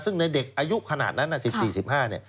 ซึ่งในเด็กอายุขนาดนั้น๑๔๑๕เนี่ย